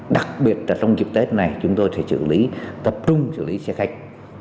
đặc biệt trong dịp tết này chúng tôi sẽ tập trung xử lý xe khách